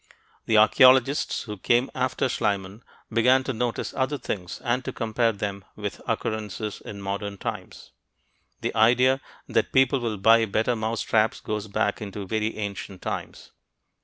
The archeologists who came after Schliemann began to notice other things and to compare them with occurrences in modern times. The idea that people will buy better mousetraps goes back into very ancient times.